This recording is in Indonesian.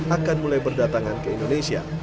akan mulai berdatangan ke indonesia